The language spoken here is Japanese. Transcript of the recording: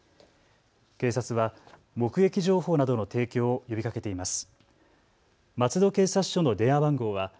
警察は目撃情報などの提供を呼びかけています。